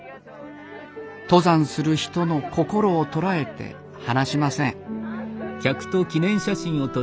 登山する人の心を捉えて離しません。